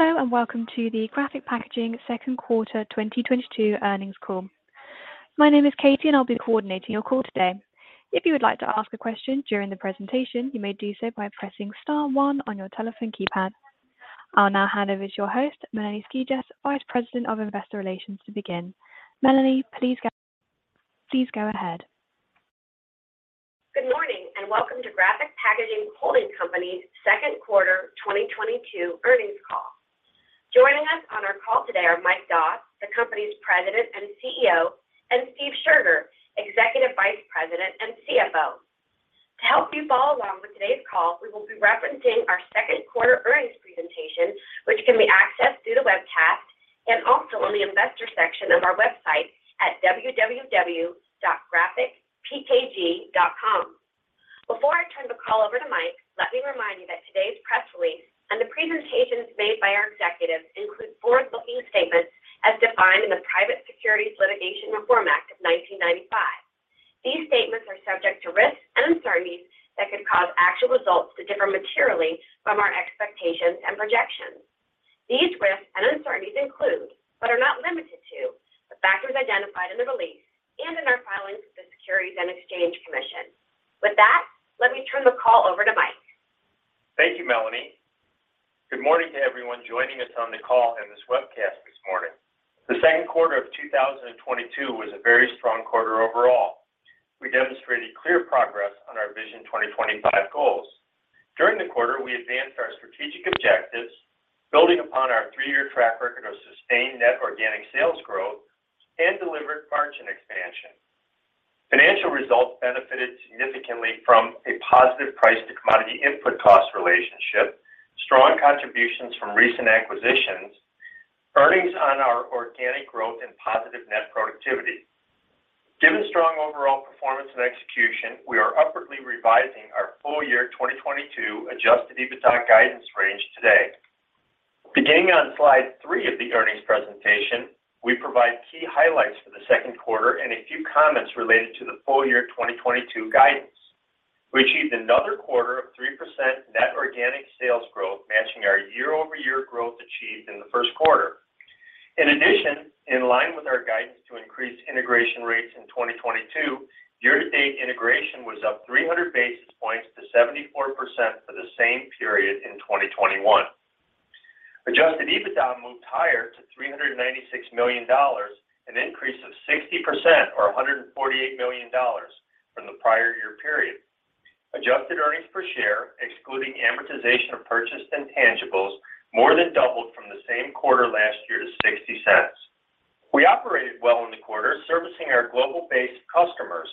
Hello, and welcome to the Graphic Packaging second quarter 2022 earnings call. My name is Katie, and I'll be coordinating your call today. If you would like to ask a question during the presentation, you may do so by pressing star one on your telephone keypad. I'll now hand over to your host, Melanie Skijus, Vice President of Investor Relations, to begin. Melanie, please go ahead. Good morning, and welcome to Graphic Packaging Holding Company's second quarter 2022 earnings call. Joining us on our call today are Mike Doss, the company's President and CEO, and Steve Scherger, Executive Vice President and CFO. To help you follow along with today's call, we will be referencing our second quarter earnings presentation, which can be accessed through the webcast and also on the investor section of our website at www.graphicpkg.com. Before I turn the call over to Mike, let me remind you that today's press release and the presentations made by our executives include forward-looking statements as defined in the Private Securities Litigation Reform Act of 1995. These statements are subject to risks and uncertainties that could cause actual results to differ materially from our expectations and projections. These risks and uncertainties include, but are not limited to, the factors identified in the release and in our filings with the Securities and Exchange Commission. With that, let me turn the call over to Mike. Thank you, Melanie. Good morning to everyone joining us on the call and this webcast this morning. The second quarter of 2022 was a very strong quarter overall. We demonstrated clear progress on our Vision 2025 goals. During the quarter, we advanced our strategic objectives, building upon our three-year track record of sustained net organic sales growth and delivered margin expansion. Financial results benefited significantly from a positive price to commodity input cost relationship, strong contributions from recent acquisitions, earnings on our organic growth, and positive net productivity. Given strong overall performance and execution, we are upwardly revising our full year 2022 Adjusted EBITDA guidance range today. Beginning on Slide 3 of the earnings presentation, we provide key highlights for the second quarter and a few comments related to the full year 2022 guidance. We achieved another quarter of 3% net organic sales growth, matching our year-over-year growth achieved in the first quarter. In addition, in line with our guidance to increase integration rates in 2022, year-to-date integration was up 300 basis points to 74% for the same period in 2021. Adjusted EBITDA moved higher to $396 million, an increase of 60% or $148 million from the prior year period. Adjusted earnings per share, excluding amortization of purchased intangibles, more than doubled from the same quarter last year to $0.60. We operated well in the quarter, servicing our global-based customers.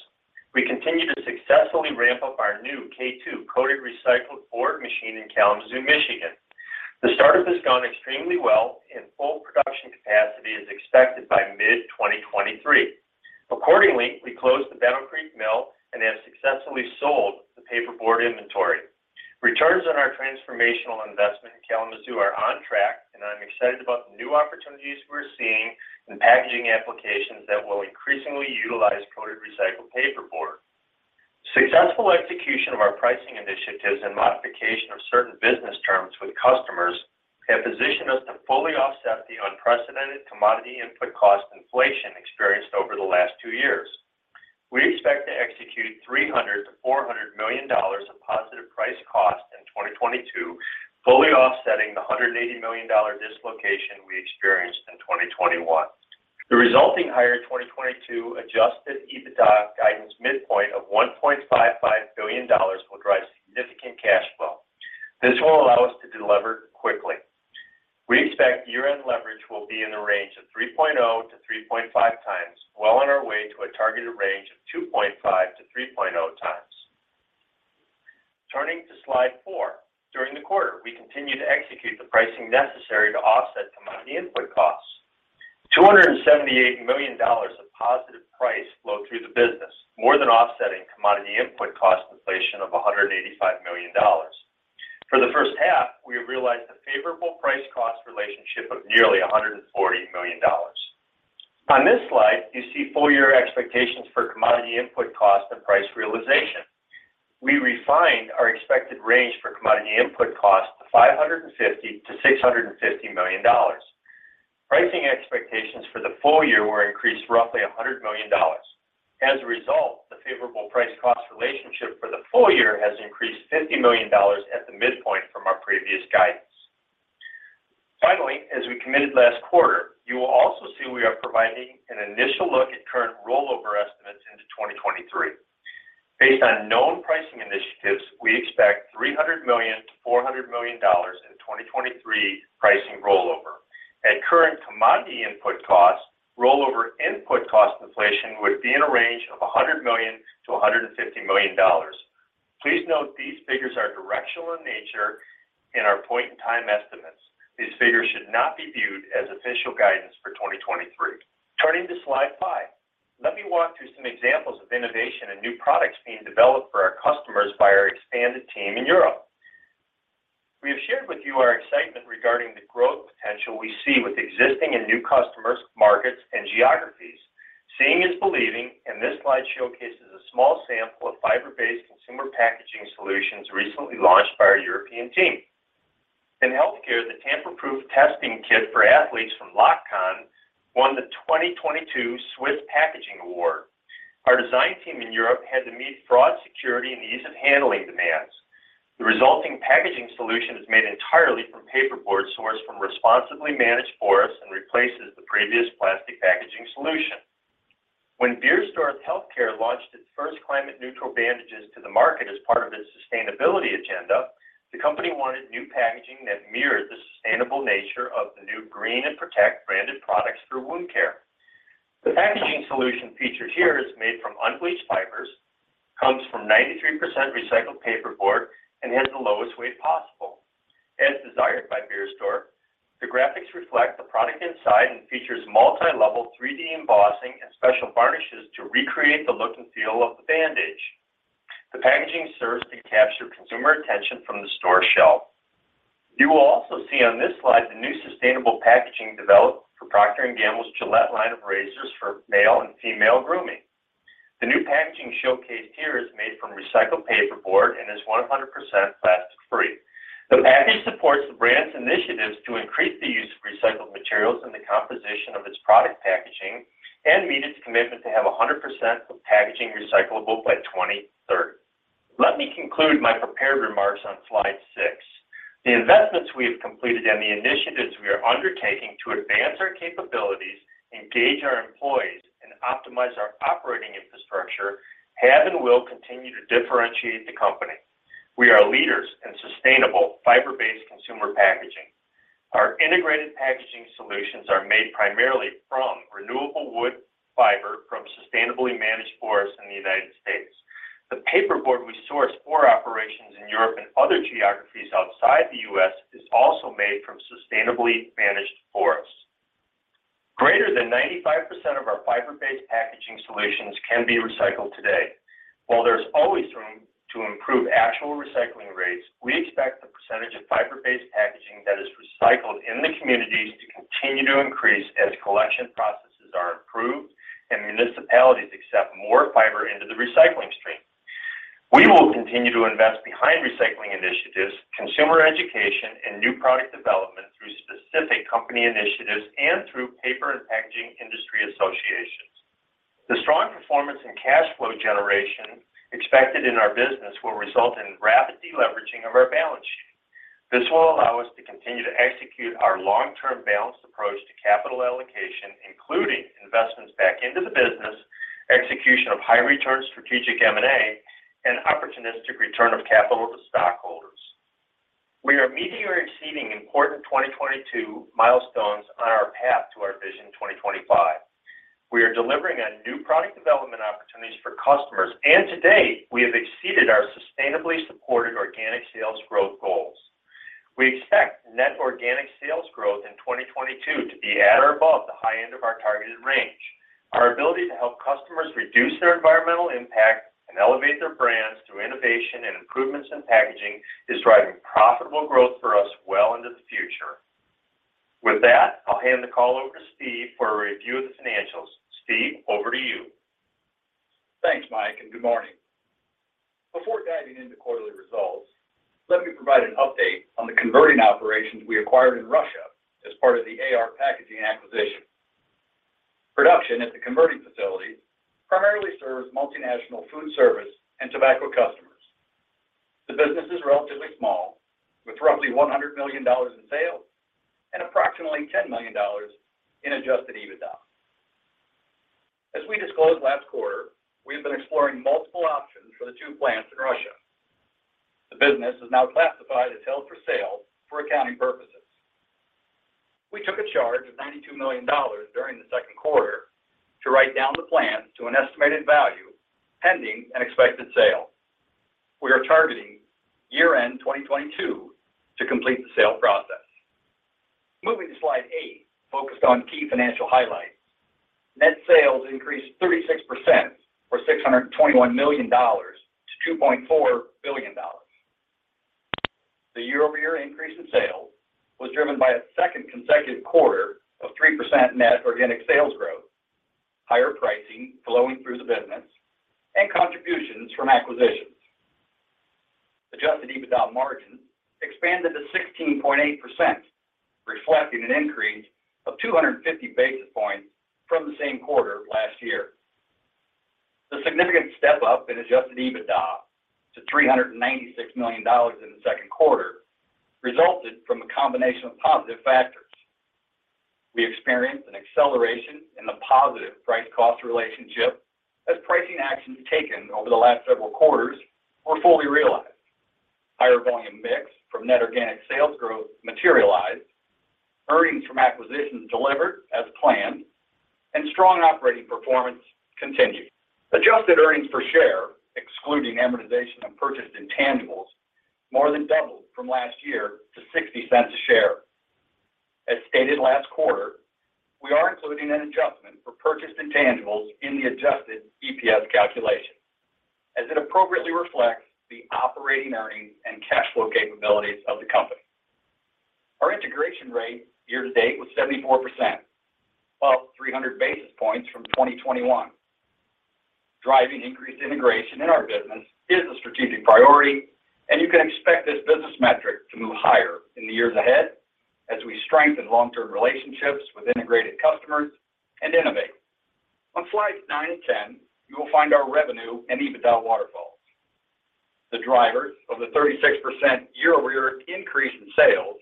We continue to successfully ramp up our new K2 coated recycled board machine in Kalamazoo, Michigan. The startup has gone extremely well, and full production capacity is expected by mid-2023. Accordingly, we closed the Battle Creek mill and have successfully sold the paperboard inventory. Returns on our transformational investment in Kalamazoo are on track, and I'm excited about the new opportunities we're seeing in packaging applications that will increasingly utilize coated recycled paperboard. Successful execution of our pricing initiatives and modification of certain business terms with customers have positioned us to fully offset the unprecedented commodity input cost inflation experienced over the last two years. We expect to execute $300 million-$400 million of positive price cost in 2022, fully offsetting the $180 million dislocation we experienced in 2021. The resulting higher 2022 Adjusted EBITDA guidance midpoint of $1.55 billion will drive significant cash flow. This will allow us to delever quickly. We expect year-end leverage will be in the range has increased $50 million at the midpoint from our previous guidance. Finally, as we committed last quarter, you will also see we are providing an initial look at current rollover estimates into 2023. Based on known pricing initiatives, we expect $300 million-$400 million in 2023 pricing rollover. At current commodity input costs, rollover input cost inflation would be in a range of $100 million-$150 million. Please note these figures are directional in nature and are point in time estimates. These figures should not be viewed as official guidance for 2023. Turning to Slide 5. Let me walk through some examples of innovation and new products being developed for our customers by our expanded team in Europe. We have shared with you our excitement regarding the growth potential we see with existing and new customers, markets, and geographies. Seeing is believing, and this slide showcases a small sample of fiber-based consumer packaging solutions recently launched by our European team. In healthcare, the tamper-proof testing kit for athletes from LockCon won the 2022 Swiss Packaging Award. Our design team in Europe had to meet fraud security and ease of handling demands. The resulting packaging solution is made entirely from paperboard sourced from responsibly managed forests and replaces the previous plastic packaging solution. When Beiersdorf Healthcare launched its first climate neutral bandages to the market as part of its sustainability agenda, the company wanted new packaging that mirrored the sustainable nature of the new green and protect branded products for wound care. The packaging solution featured here is made from unbleached fibers, comes from 93% recycled paperboard, and has the lowest weight possible. As desired by Beiersdorf, the graphics reflect the product inside and features multi-level 3D embossing and special varnishes to recreate the look and feel of the bandage. The packaging serves to capture consumer attention from the store shelf. You will also see on this slide the new sustainable packaging developed for Procter & Gamble's Gillette line of razors for male and female grooming. The new packaging showcased here is made from recycled paperboard and is 100% plastic free. The package supports the brand's initiatives to increase the use of recycled materials in the composition of its product packaging and meet its commitment to have 100% of packaging recyclable by 2030. Let me conclude my prepared remarks on Slide six. The investments we have completed and the initiatives we are undertaking to advance our capabilities, engage our employees, and optimize our operating infrastructure have and will continue to differentiate the company. We are leaders in sustainable fiber-based consumer packaging. Our integrated packaging solutions are made primarily from renewable wood fiber from sustainably managed forests in the United States. The paperboard we source for operations in Europe and other geographies outside the U.S. is also made from sustainably managed forests. Greater than 95% of our fiber-based packaging solutions can be recycled today. While there's always room to improve actual recycling rates, we expect the percentage of fiber-based packaging that is recycled in the communities to continue to increase as collection processes are improved and municipalities accept more fiber into the recycling stream. We will continue to invest behind recycling initiatives, consumer education, and new product development through specific company initiatives and through paper and packaging industry associations. The strong performance and cash flow generation expected in our business will result in rapid deleveraging of our balance sheet. This will allow us to continue to execute our long-term balanced approach to capital allocation, including investments back into the business, execution of high return strategic M&A, and opportunistic return of capital to stockholders. We are meeting or exceeding important 2022 milestones on our path to our Vision 2025. We are delivering on new product development opportunities for customers, and to date, we have exceeded our sustainably supported organic sales growth goals. We expect net organic sales growth in 2022 to be at or above the high end of our targeted range. Our ability to help customers reduce their environmental impact and elevate their brands through innovation and improvements in packaging is driving profitable growth for us well into the future. With that, I'll hand the call over to Steve for a review of the financials. Steve, over to you. Thanks, Mike, and good morning. Before diving into quarterly results, let me provide an update on the converting operations we acquired in Russia as part of the AR Packaging acquisition. Production at the converting facility primarily serves multinational food service and tobacco customers. The business is relatively small with roughly $100 million in sales and approximately $10 million in Adjusted EBITDA. As we disclosed last quarter, we have been exploring multiple options for the two plants in Russia. The business is now classified as held for sale for accounting purposes. We took a charge of $92 million during the second quarter to write down the plants to an estimated value pending an expected sale. We are targeting year-end 2022 to complete the sale process. Moving to Slide 8, focused on key financial highlights. Net sales increased 36% or $621 million to $2.4 billion. The year-over-year increase in sales was driven by a second consecutive quarter of 3% net organic sales growth, higher pricing flowing through the business, and contributions from acquisitions. Adjusted EBITDA margin expanded to 16.8%, reflecting an increase of 250 basis points from the same quarter last year. The significant step-up in adjusted EBITDA to $396 million in the second quarter resulted from a combination of positive factors. We experienced an acceleration in the positive price cost relationship as pricing actions taken over the last several quarters were fully realized. Higher volume mix from net organic sales growth materialized. Earnings from acquisitions delivered as planned, and strong operating performance continued. Adjusted earnings per share, excluding amortization of purchased intangibles, more than doubled from last year to $0.60 a share. As stated last quarter, we are including an adjustment for purchased intangibles in the adjusted EPS calculation. As it appropriately reflects the operating earnings and cash flow capabilities of the company. Our integration rate year-to-date was 74%, up 300 basis points from 2021. Driving increased integration in our business is a strategic priority, and you can expect this business metric to move higher in the years ahead as we strengthen long-term relationships with integrated customers and innovate. On Slides 9 and 10, you will find our revenue and EBITDA waterfalls. The drivers of the 36% year-over-year increase in sales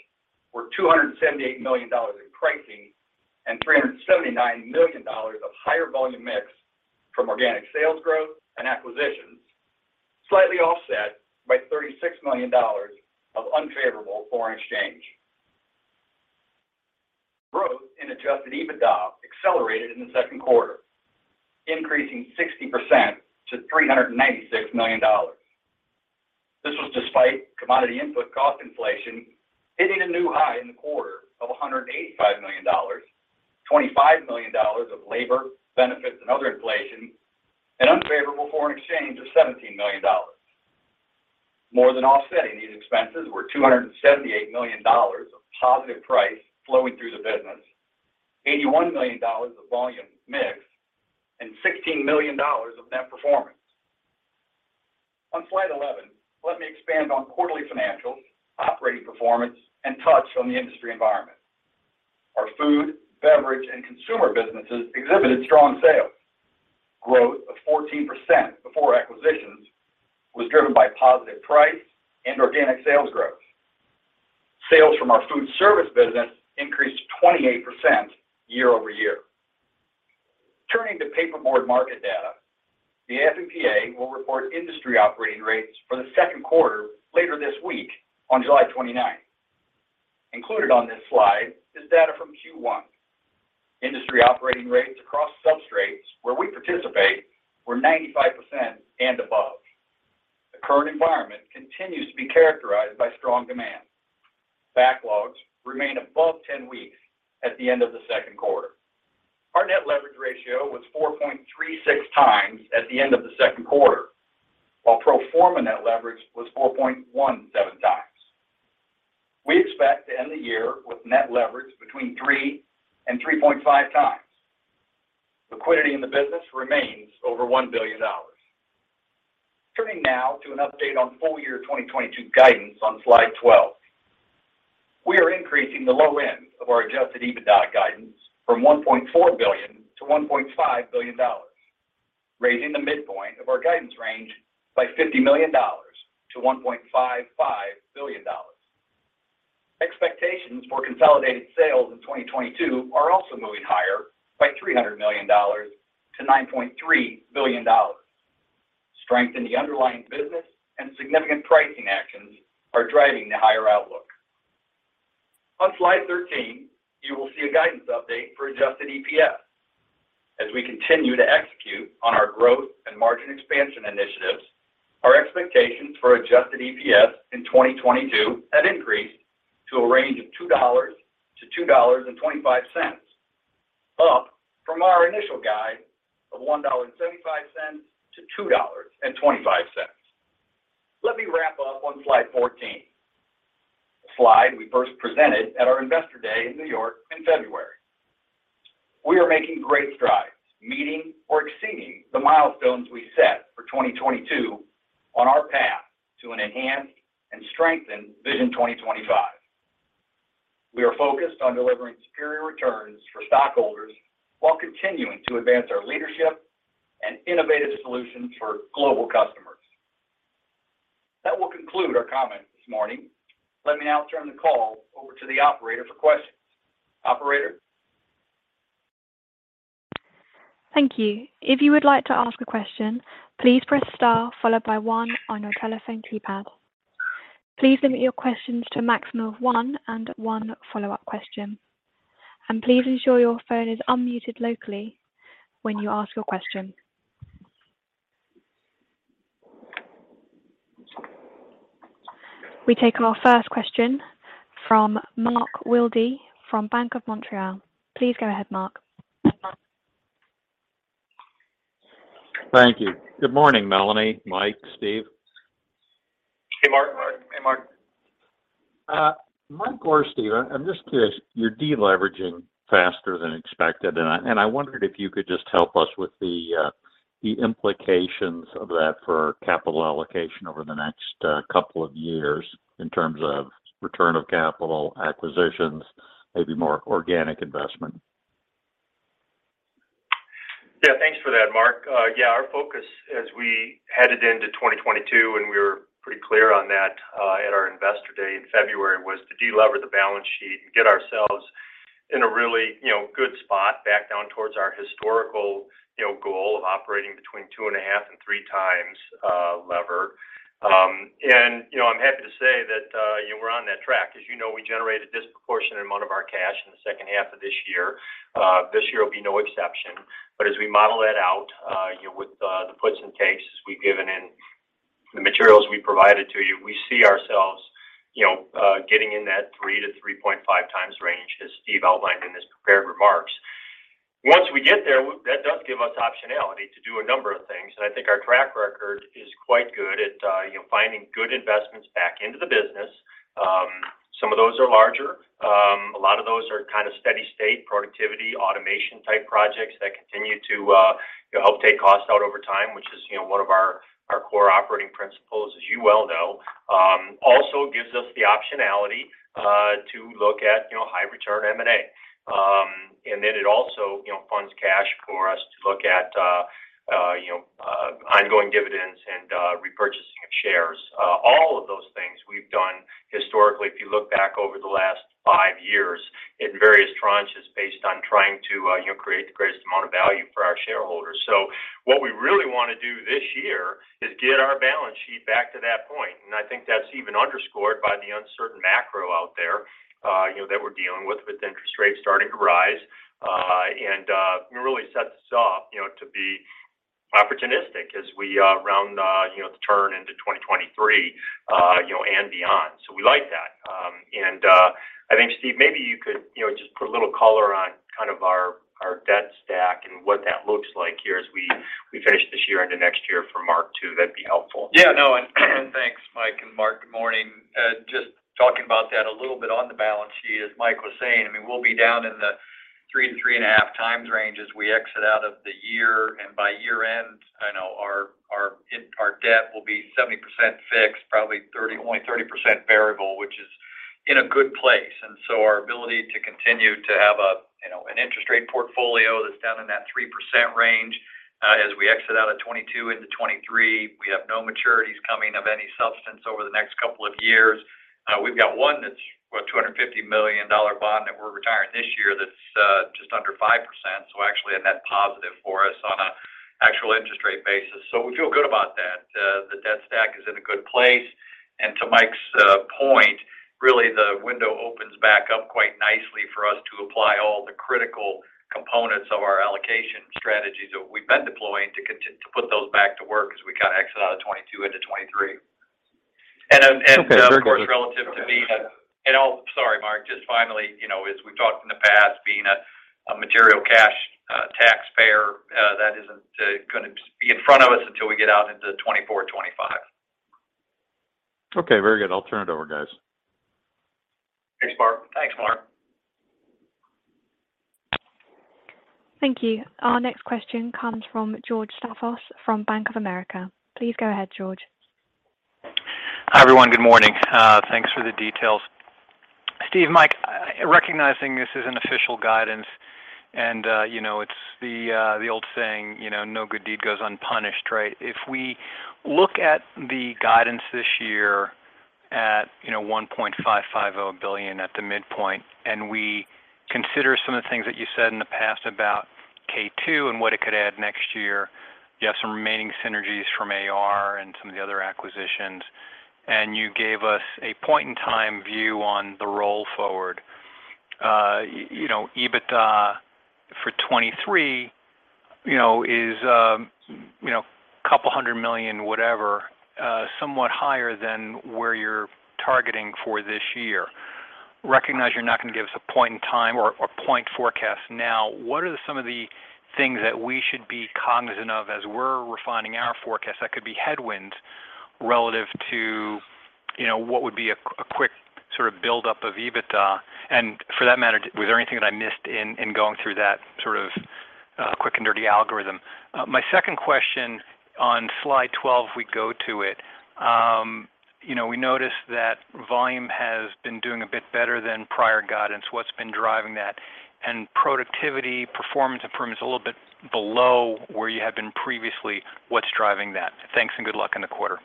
were $278 million in pricing and $379 million of higher volume mix from organic sales growth and acquisitions, slightly offset by $36 million of unfavorable foreign exchange. Growth in Adjusted EBITDA accelerated in the second quarter, increasing 60% to $396 million. This was despite commodity input cost inflation hitting a new high in the quarter of $185 million, $25 million of labor benefits and other inflation, and unfavorable foreign exchange of $17 million. More than offsetting these expenses were $278 million of positive price flowing through the business, $81 million of volume mix, and $16 million of net performance. On Slide 11, let me expand on quarterly financials, operating performance, and touch on the industry environment. Our food, beverage, and consumer businesses exhibited strong sales. Growth of 14% before acquisitions was driven by positive price and organic sales growth. Sales from our food service business increased 28% year-over-year. Turning to paperboard market data, the AF&PA will report industry operating rates for the second quarter later this week on July 29. Included on this slide is data from Q1. Industry operating rates across substrates where we participate were 95% and above. The current environment continues to be characterized by strong demand. Backlogs remain above 10 weeks at the end of the second quarter. Our net leverage ratio was 4.36x at the end of the second quarter, while pro forma net leverage was 4.17x. We expect to end the year with net leverage between 3x and 3.5x. Liquidity in the business remains over $1 billion. Turning now to an update on full year 2022 guidance on Slide 12. We are increasing the low end of our Adjusted EBITDA guidance from $1.4 billion to $1.5 billion, raising the midpoint of our guidance range by $50 million to $1.55 billion. Expectations for consolidated sales in 2022 are also moving higher by $300 million to $9.3 billion. Strength in the underlying business and significant pricing actions are driving the higher outlook. On Slide 13, you will see a guidance update for adjusted EPS. As we continue to execute on our growth and margin expansion initiatives, our expectations for adjusted EPS in 2022 have increased to a range of $2 to $2.25, up from our initial guide of $1.75 to $2.25. Let me wrap up on Slide 14, a slide we first presented at our Investor Day in New York in February. We are making great strides, meeting or exceeding the milestones we set for 2022 on our path to an enhanced and strengthened Vision 2025. We are focused on delivering superior returns for stockholders while continuing to advance our leadership and innovative solutions for global customers. That will conclude our comments this morning. Let me now turn the call over to the operator for questions. Operator? Thank you. If you would like to ask a question, please press star followed by one on your telephone keypad. Please limit your questions to a maximum of one and one follow-up question. Please ensure your phone is unmuted locally when you ask your question. We take our first question from Mark Wilde from Bank of Montreal. Please go ahead, Mark. Thank you. Good morning, Melanie, Mike, Steve. Hey, Mark. Mike or Steve, I'm just curious, you're de-leveraging faster than expected, and I wondered if you could just help us with the implications of that for capital allocation over the next couple of years in terms of return of capital acquisitions, maybe more organic investment. Yeah, thanks for that, Mark. Yeah, our focus as we headed into 2022, and we were pretty clear on that, at our Investor Day in February, was to de-lever the balance sheet and get ourselves in a really, you know, good spot back down towards our historical, you know, goal of operating between 2.5x and 3x lever. And you know, I'm happy to say that, you know, we're on that track. As you know, we generated a disproportionate amount of our cash in the second half of this year. This year will be no exception. As we model that out, you know, with the puts and takes as we've given in the materials we provided to you, we see ourselves, you know, getting in that 3x-3.5x range, as Steve outlined in his prepared remarks. Once we get there, that does give us optionality to do a number of things. I think our track record is quite good at, you know, finding good investments back into the business. Some of those are larger, a lot of those are kind of steady-state productivity, automation type projects that continue to, you know, help take costs out over time, which is, you know, one of our core operating principles as you well know, also gives us the optionality, to look at, you know, high return M&A. Then it also, you know, funds cash for us to look at, you know, ongoing dividends and, repurchasing of shares. All of those things we've done historically, if you look back over the last five years in various tranches based on trying to, you know, create the greatest amount of value for our shareholders. What we really wanna do this year is get our balance sheet back to that point. I think that's even underscored by the uncertain macro out there, you know, that we're dealing with interest rates starting to rise, and you know, really sets us up, you know, to be opportunistic as we round the turn into 2023, and beyond. We like that. I think Steve, maybe you could, you know, just put a little color on kind of our debt stack and what that looks like here as we finish this year into next year for Mark too. That'd be helpful. Thanks Mike and Mark, good morning. Just talking about that a little bit on the balance sheet, as Mike was saying, I mean, we'll be down in the 3x-3.5x range as we exit out of the year. By year end, I know our debt will be 70% fixed, probably only 30% variable, which is in a good place. Our ability to continue to have a, you know, an interest rate portfolio that's down in that 3% range, as we exit out of 2022 into 2023, we have no maturities coming of any substance over the next couple of years. We've got one that's about $250 million bond that we're retiring this year, that's just under 5%. Actually a net positive for us on an actual interest rate basis. We feel good about that. The debt stack is in a good place. To Mike's point, really the window opens back up quite nicely for us to apply all the critical components of our allocation strategies that we've been deploying to put those back to work as we kind of exit out of 2022 into 2023. And, and- Okay, very good. Oh, sorry, Mark. Just finally, you know, as we've talked in the past, being a material cash taxpayer that isn't gonna be in front of us until we get out into 2024, 2025. Okay, very good. I'll turn it over, guys. Thanks, Mark. Thanks, Mark. Thank you. Our next question comes from George Staphos from Bank of America. Please go ahead, George. Hi, everyone. Good morning. Thanks for the details. Steve, Mike, recognizing this is an official guidance and, you know, it's the old saying, you know, no good deed goes unpunished, right? If we look at the guidance this year at, you know, $1.550 billion at the midpoint, and we consider some of the things that you said in the past about K2 and what it could add next year. You have some remaining synergies from AR and some of the other acquisitions, and you gave us a point in time view on the roll forward. You know, EBITDA for 2023, you know, is a couple hundred million, whatever, somewhat higher than where you're targeting for this year. Recognize you're not gonna give us a point in time or point forecast now. What are some of the things that we should be cognizant of as we're refining our forecast that could be headwind relative to, you know, what would be a quick sort of buildup of EBITDA? For that matter, was there anything that I missed in going through that sort of quick and dirty algorithm? My second question on Slide 12, if we go to it, you know, we noticed that volume has been doing a bit better than prior guidance. What's been driving that? And productivity performance improvement is a little bit below where you have been previously. What's driving that? Thanks, and good luck in the quarter.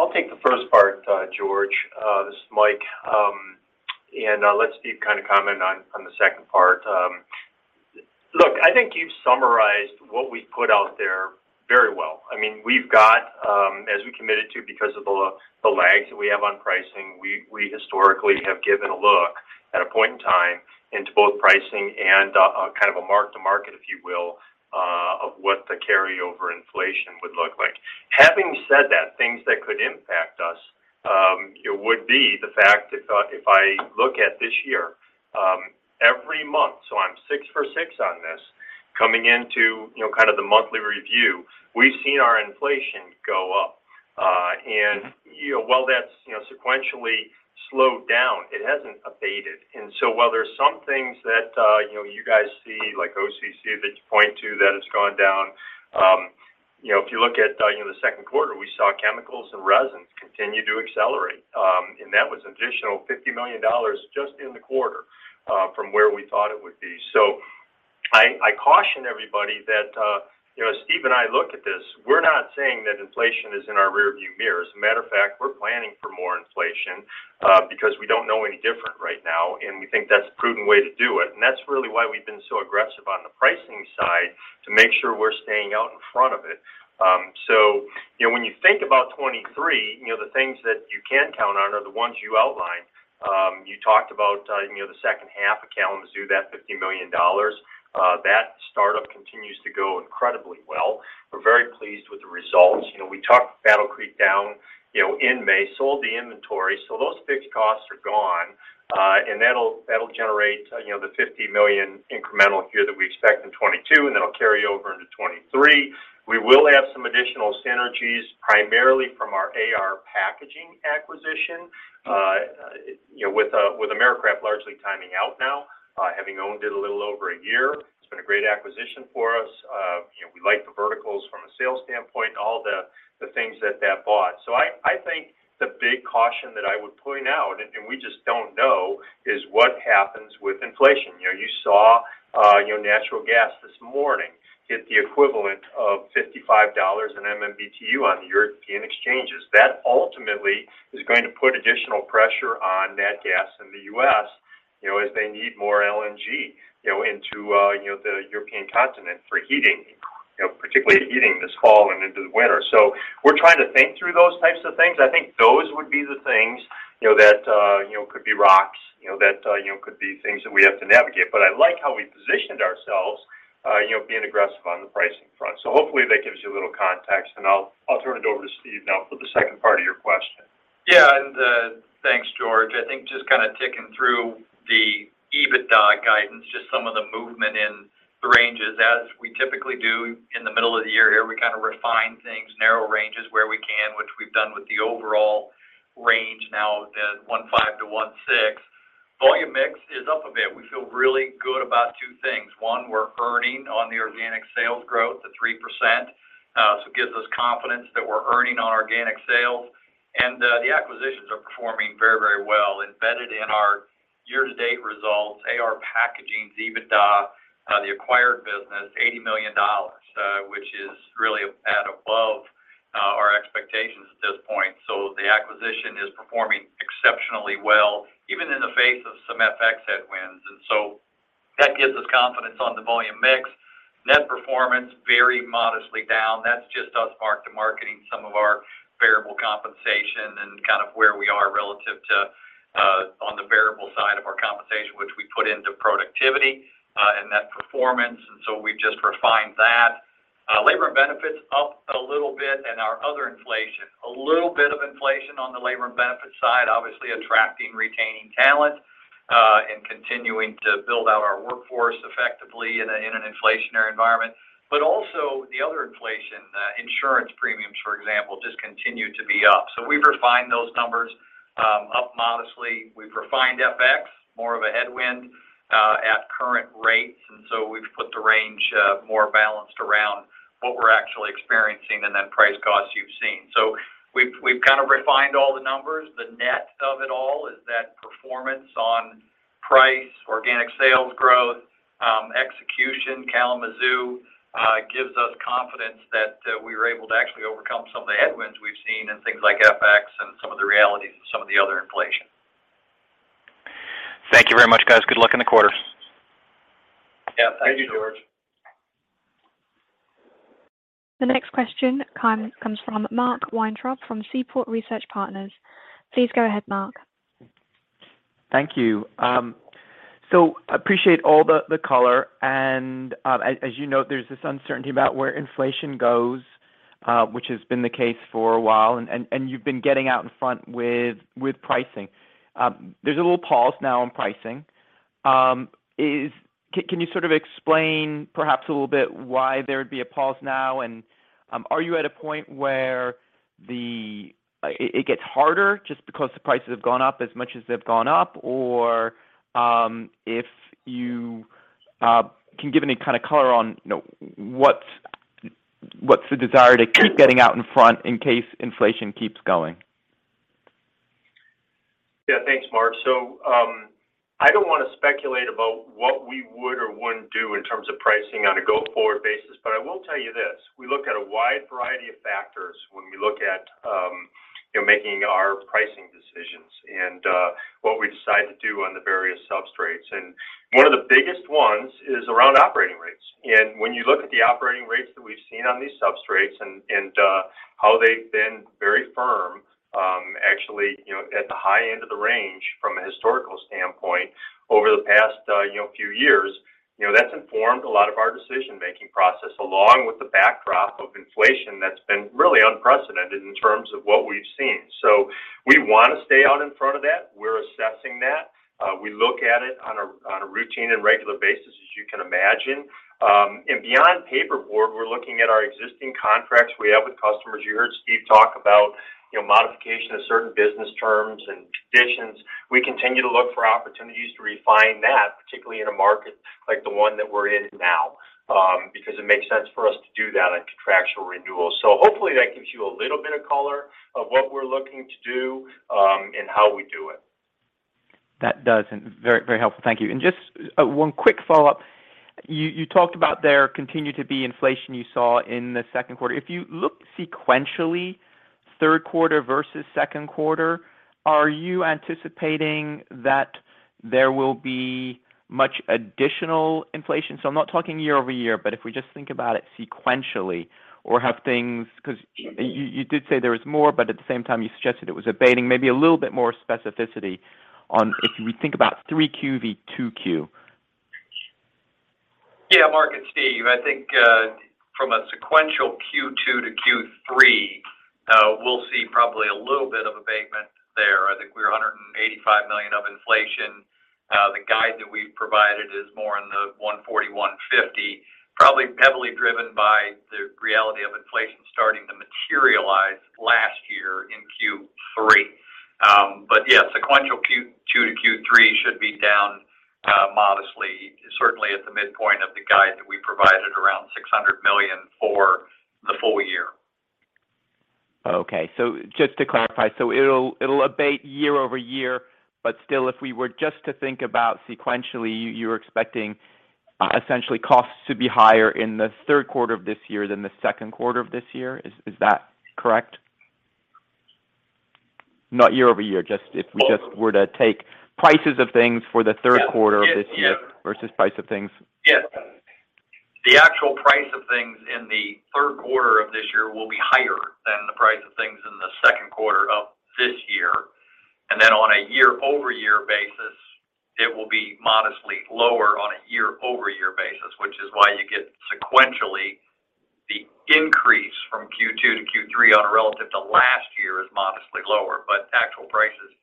I'll take the first part, George. This is Mike. Let Steve kind of comment on the second part. Look, I think you've summarized what we put out there very well. I mean, we've got, as we committed to because of the lag that we have on pricing, we historically have given a look at a point in time into both pricing and a kind of a mark to market, if you will, of what the carryover inflation would look like. Having said that, things that could impact us, you know, would be the fact that, if I look at this year, every month, so I'm six for six on this, coming into, you know, kind of the monthly review, we've seen our inflation go up. You know, while that's, you know, sequentially slowed down, it hasn't abated. While there's some things that, you know, you guys see like OCC that you point to that has gone down, you know, if you look at, you know, the second quarter, we saw chemicals and resins continue to accelerate. That was an additional $50 million just in the quarter, from where we thought it would be. I caution everybody that, you know, Steve and I look at this, we're not saying that inflation is in our rear view mirror. As a matter of fact, we're planning for more inflation, because we don't know any different right now, and we think that's a prudent way to do it. That's really why we've been so aggressive on the pricing side to make sure we're staying out in front of it. You know, when you think about 2023, you know, the things that you can count on are the ones you outlined. You talked about, you know, the second half of Kalamazoo, that $50 million, that startup continues to go incredibly well. We're very pleased with the results. You know, we talked Battle Creek down, you know, in May, sold the inventory. Those fixed costs are gone. That'll generate you know, the $50 million incremental here that we expect in 2022, and that'll carry over into 2023. We will have some additional synergies primarily from our AR Packaging acquisition, you know, with Americraft largely timing out now, having owned it a little over a year, it's been a great acquisition for us. You know, we like the verticals from a sales standpoint, all the things that bought. I think the big caution that I would point out, and we just don't know, is what happens with inflation. You know, you saw you know, natural gas this morning hit the equivalent of $55 in MMBtu on the European exchanges. That ultimately is going to put additional pressure on nat gas in the U.S., you know, as they need more LNG, you know, into, you know, the European continent for heating, you know, particularly heating this fall and into the winter. We're trying to think through those types of things. I think those would be the things, you know, that, you know, could be risks, you know, that, you know, could be things that we have to navigate. I like how we positioned ourselves, you know, being aggressive on the pricing front. Hopefully that gives you a little context, and I'll turn it over to Steve now for the second part of your question. Yeah. Thanks, George. I think just kind of ticking through the EBITDA guidance, just some of the movement in the ranges. As we typically do in the middle of the year here, we kind of refine things, narrow ranges where we can, which we've done with the overall range now as $1.15 billion-$1.16 billion. Volume mix is up a bit. We feel really good about two things. One, we're earning on the organic sales growth, the 3%. So it gives us confidence that we're earning on organic sales. The acquisitions are performing very, very well. Embedded in our year-to-date results, AR Packaging's EBITDA, the acquired business, $80 million, which is really above our expectations at this point. So the acquisition is performing exceptionally well, even in the face of some FX headwinds. That gives us confidence on the volume mix. Net performance, very modestly down. That's just us mark-to-market some of our variable compensation and kind of where we are relative to on the variable side of our compensation, which we put into productivity and net performance. We've just refined that. Labor and benefits up a little bit and our other inflation. A little bit of inflation on the labor and benefit side, obviously attracting, retaining talent and continuing to build out our workforce effectively in an inflationary environment. But also the other inflation, insurance premiums, for example, just continue to be up. We've refined those numbers up modestly. We've refined FX more of a headwind at current rates, and so we've put the range more balanced around what we're actually experiencing and then price costs you've seen. We've kind of refined all the numbers. The net of it all is that performance on price, organic sales growth, execution, Kalamazoo gives us confidence that we are able to actually overcome some of the headwinds we've seen in things like FX and some of the realities of some of the other inflation. Thank you very much, guys. Good luck in the quarter. Yeah. Thank you. Thank you, George. The next question comes from Mark Weintraub from Seaport Research Partners. Please go ahead, Mark. Thank you. Appreciate all the color. As you note, there's this uncertainty about where inflation goes, which has been the case for a while, and you've been getting out in front with pricing. There's a little pause now on pricing. Can you sort of explain perhaps a little bit why there'd be a pause now? Are you at a point where It gets harder just because the prices have gone up as much as they've gone up? Or, if you can give any kind of color on, you know, what's the desire to keep getting out in front in case inflation keeps going? Yeah. Thanks, Mark. I don't wanna speculate about what we would or wouldn't do in terms of pricing on a go-forward basis, but I will tell you this. We look at a wide variety of factors when we look at, you know, making our pricing decisions and, what we decide to do on the various substrates. One of the biggest ones is around operating rates. When you look at the operating rates that we've seen on these substrates and how they've been very firm, actually, you know, at the high end of the range from a historical standpoint over the past, you know, few years, you know, that's informed a lot of our decision-making process along with the backdrop of inflation that's been really unprecedented in terms of what we've seen. We wanna stay out in front of that. We're assessing that. We look at it on a routine and regular basis, as you can imagine. Beyond paperboard, we're looking at our existing contracts we have with customers. You heard Steve talk about, you know, modification of certain business terms and conditions. We continue to look for opportunities to refine that, particularly in a market like the one that we're in now, because it makes sense for us to do that on contractual renewals. Hopefully that gives you a little bit of color on what we're looking to do, and how we do it. That does. Very, very helpful. Thank you. Just one quick follow-up. You talked about there continued to be inflation you saw in the second quarter. If you look sequentially, third quarter versus second quarter, are you anticipating that there will be much additional inflation? So I'm not talking year-over-year, but if we just think about it sequentially. 'Cause you did say there was more, but at the same time, you suggested it was abating. Maybe a little bit more specificity on if we think about 3Q to 2Q. Yeah. Mark, it's Steve. I think from a sequential Q2 to Q3 we'll see probably a little bit of abatement there. I think we were $185 million of inflation. The guide that we've provided is more in the $140, $150, probably heavily driven by the reality of inflation starting to materialize last year in Q3. Yeah, sequential Q2 to Q3 should be down modestly, certainly at the midpoint of the guide that we provided around $600 million for the full year. Okay. Just to clarify, it'll abate year-over-year, but still, if we were just to think about sequentially, you're expecting essentially costs to be higher in the third quarter of this year than the second quarter of this year. Is that correct? Not year-over-year. Just if we were to take prices of things for the third quarter of this year. Yes. Yes versus price of things. Yes. The actual price of things in the third quarter of this year will be higher than the price of things in the second quarter of this year. Then on a year-over-year basis, it will be modestly lower on a year-over-year basis, which is why you get sequentially the increase from Q2 to Q3 on a relative to last year is modestly lower. Actual prices,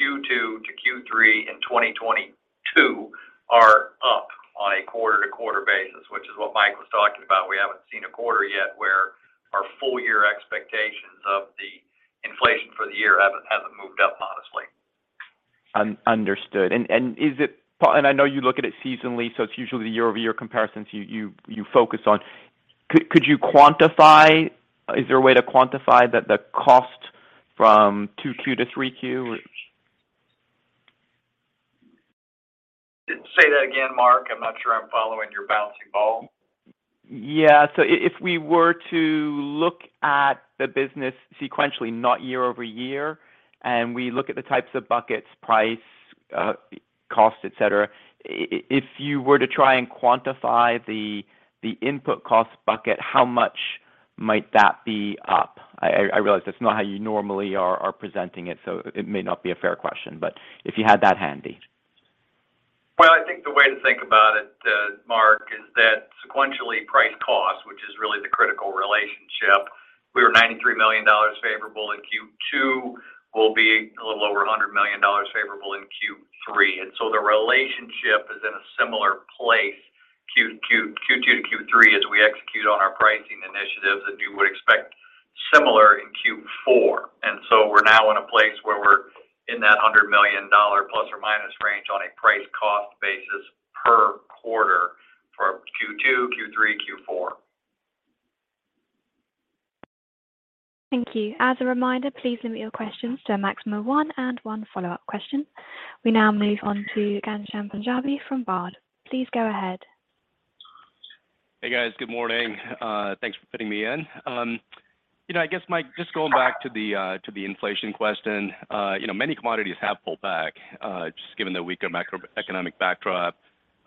Q2 to Q3 in 2022 are up on a quarter-over-quarter basis, which is what Mike was talking about. We haven't seen a quarter yet where our full-year expectations of the inflation for the year hasn't moved up modestly. Understood. I know you look at it seasonally, so it's usually the year-over-year comparisons you focus on. Could you quantify? Is there a way to quantify the cost from 2Q to 3Q? Say that again, Mark. I'm not sure I'm following your bouncing ball. Yeah. If we were to look at the business sequentially, not year-over-year, and we look at the types of buckets, price, cost, et cetera. If you were to try and quantify the input cost bucket, how much might that be up? I realize that's not how you normally are presenting it, so it may not be a fair question, but if you had that handy. Well, I think the way to think about it, Mark, is that sequentially price cost, which is really the critical relationship. We were $93 million favorable in Q2. We'll be a little over $100 million favorable in Q3. The relationship is in a similar place, Q2 to Q3, as we execute on our pricing initiatives that you would expect similar in Q4. We're now in a place where we're in that $100 million plus or minus range on a price cost basis per quarter for Q2, Q3, Q4. Thank you. As a reminder, please limit your questions to a maximum one and one follow-up question. We now move on to Ghansham Panjabi from Baird. Please go ahead. Hey, guys. Good morning. Thanks for fitting me in. You know, I guess, Mike, just going back to the inflation question. You know, many commodities have pulled back, just given the weaker macroeconomic backdrop.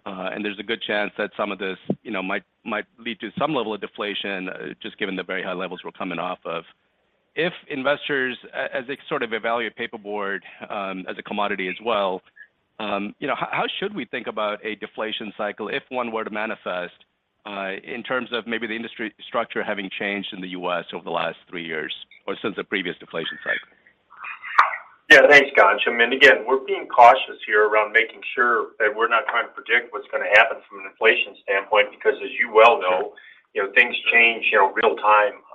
There's a good chance that some of this, you know, might lead to some level of deflation, just given the very high levels we're coming off of. If investors, as they sort of evaluate paperboard, as a commodity as well, you know, how should we think about a deflation cycle if one were to manifest, in terms of maybe the industry structure having changed in the U.S. over the last three years or since the previous deflation cycle? Yeah. Thanks, Ghansham. Again, we're being cautious here around making sure that we're not trying to predict what's gonna happen from an inflation standpoint, because as you well know, you know, things change, you know, real time,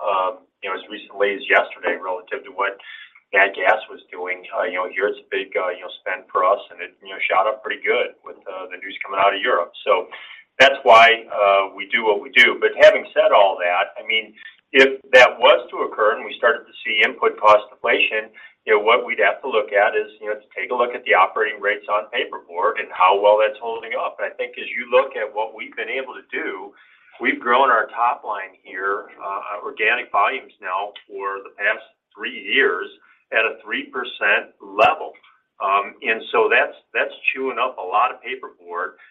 as recently as yesterday relative to what nat gas was doing. You know, here's a big, you know, spend for us, and it, you know, shot up pretty good with, the news coming out of Europe. That's why we do what we do. Having said all that, I mean, if that was to occur and we started to see input cost deflation, you know, what we'd have to look at is, you know, to take a look at the operating rates on paperboard and how well that's holding up. I think as you look at what we've been able to do, we've grown our top line here, organic volumes now for the past three years at a 3% level. That's chewing up a lot of paperboard, you know,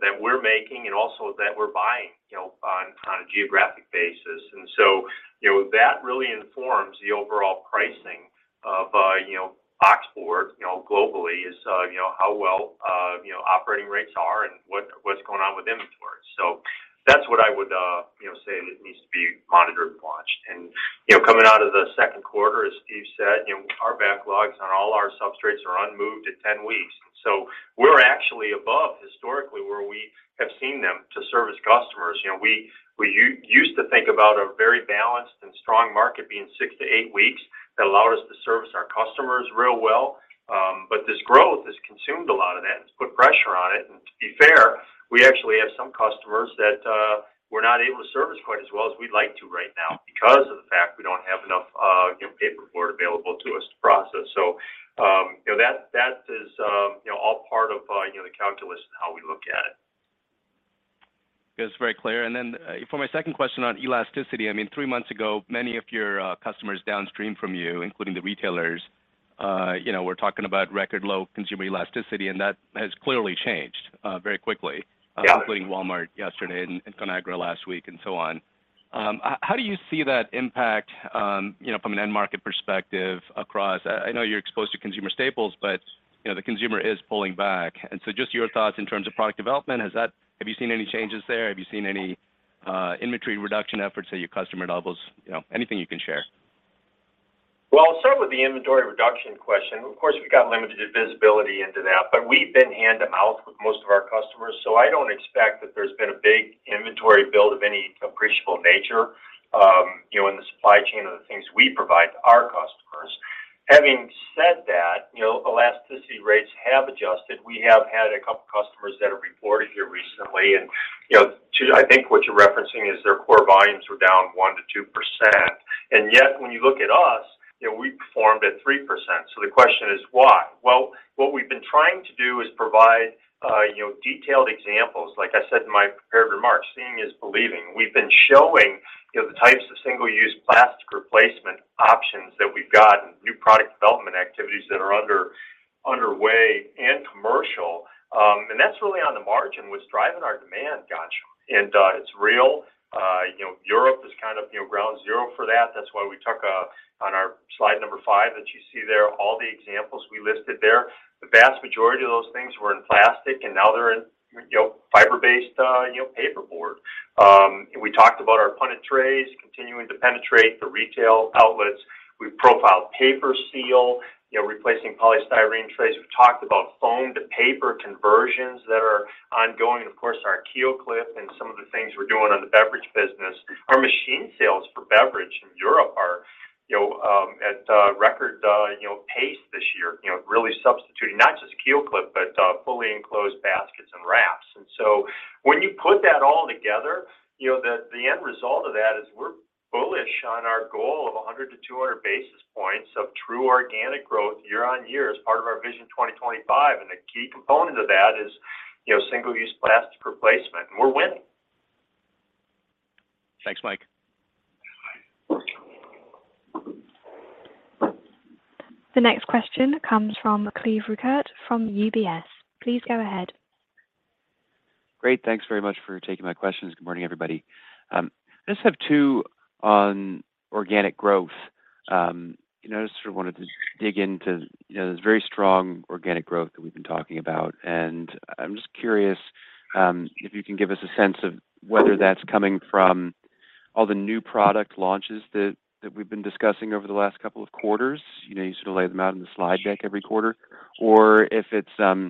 that we're making and also that we're buying, you know, on a geographic basis. You know, that really informs the overall pricing of, you know, boxboard, you know, globally is, you know, how well, you know, operating rates are and what's going on with inventory. That's what I would, you know, say needs to be monitored and watched. You know, coming out of the second quarter, as Steve said, you know, our backlogs on all our substrates are unmoved at 10 weeks. We're actually above historically where we have seen them to service customers. You know, we used to think about a very balanced and strong market being 6-8 weeks. That allowed us to service our customers real well. This growth has consumed a lot of that and it's put pressure on it. To be fair, we actually have some customers that we're not able to service quite as well as we'd like to right now because of the fact we don't have enough, you know, paperboard available to us to process. You know, that is all part of the calculus and how we look at it. It's very clear. For my second question on elasticity, I mean, three months ago, many of your customers downstream from you, including the retailers, you know, were talking about record low consumer elasticity, and that has clearly changed very quickly. Yeah. Including Walmart yesterday and Conagra last week and so on. How do you see that impact, you know, from an end market perspective across. I know you're exposed to consumer staples, but you know, the consumer is pulling back. Just your thoughts in terms of product development, have you seen any changes there? Have you seen any inventory reduction efforts at your customer levels? You know, anything you can share. I'll start with the inventory reduction question. Of course, we've got limited visibility into that, but we've been hand-to-mouth with most of our customers, so I don't expect that there's been a big inventory build of any appreciable nature, you know, in the supply chain of the things we provide to our customers. Having said that, you know, elasticity rates have adjusted. We have had a couple customers that have reported here recently. You know, I think what you're referencing is their core volumes were down 1%-2%. Yet, when you look at us, you know, we performed at 3%. The question is why? Well, what we've been trying to do is provide, you know, detailed examples. Like I said in my prepared remarks, seeing is believing. We've been showing, you know, the types of single-use plastic replacement options that we've got and new product development activities that are underway and commercial. That's really on the margin, what's driving our demand. Gotcha. It's real. You know, Europe is kind of, you know, ground zero for that. That's why we talk on our slide number five that you see there, all the examples we listed there. The vast majority of those things were in plastic, and now they're in, you know, fiber-based, you know, paperboard. We talked about our punnet trays continuing to penetrate the retail outlets. We've profiled PaperSeal, you know, replacing polystyrene trays. We've talked about foam-to-paper conversions that are ongoing. Of course, our KeelClip and some of the things we're doing on the beverage business. Our machine sales for beverage in Europe are, you know, at a record, you know, pace this year. You know, really substituting, not just KeelClip, but fully enclosed baskets and wraps. When you put that all together, you know, the end result of that is we're bullish on our goal of 100-200 basis points of true organic growth year-on-year as part of our Vision 2025. The key component of that is, you know, single-use plastic replacement, and we're winning. Thanks, Mike. Bye. The next question comes from Cleve Rueckert from UBS. Please go ahead. Great. Thanks very much for taking my questions. Good morning, everybody. I just have two on organic growth. You know, I just sort of wanted to dig into, you know, this very strong organic growth that we've been talking about. I'm just curious if you can give us a sense of whether that's coming from all the new product launches that we've been discussing over the last couple of quarters. You know, you sort of lay them out in the slide deck every quarter. Or if it's sort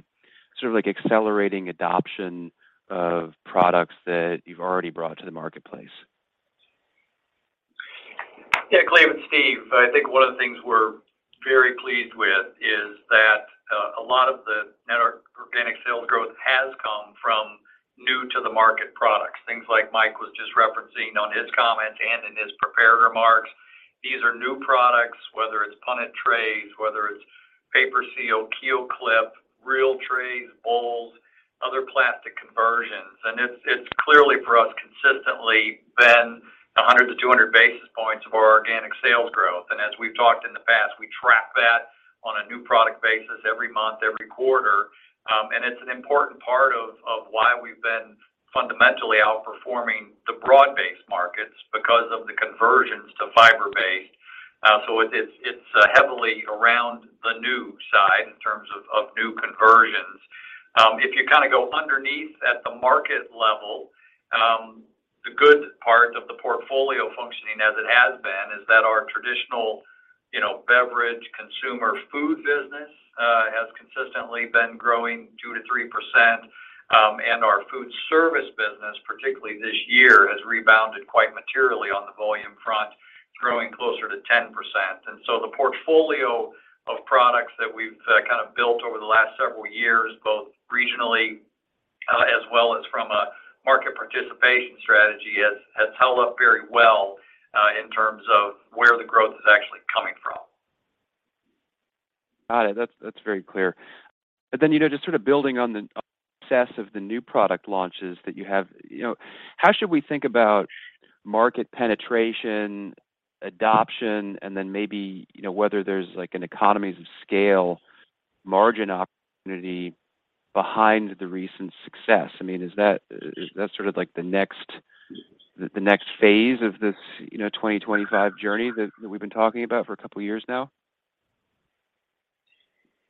of like accelerating adoption of products that you've already brought to the marketplace. Yeah, Cleve, it's Steve. I think one of the things we're very pleased with is that, a lot of the network organic sales growth has come from new to the market products, things like Mike was just referencing on his comments and in his prepared remarks. These are new products, whether it's punnet trays, whether it's PaperSeal, KeelClip, meal trays, bowls, other plastic conversions. It's clearly for us consistently been 100-200 basis points of our organic sales growth. As we've talked in the past, we track that on a new product basis every month, every quarter. It's an important part of why we've been fundamentally outperforming the broad-based markets because of the conversions to fiber-based. It's heavily around the new side in terms of new conversions. If you kind of go underneath at the market level, the good part of the portfolio functioning as it has been is that our traditional, you know, beverage consumer food business has consistently been growing 2%-3%. Our food service business, particularly this year, has rebounded quite materially on the volume front, growing closer to 10%. The portfolio of products that we've kind of built over the last several years, both regionally, as well as from a market participation strategy has held up very well in terms of where the growth is actually coming from. Got it. That's very clear. You know, just sort of building on the success of the new product launches that you have, you know, how should we think about market penetration, adoption, and then maybe, you know, whether there's like an economies of scale margin opportunity behind the recent success? I mean, is that sort of like the next phase of this, you know, 2025 journey that we've been talking about for a couple of years now?